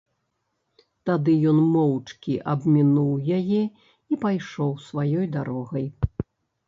Тады ён моўчкі абмінуў яе і пайшоў сваёй дарогай.